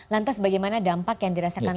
lantas bagaimana dampak yang dirasakan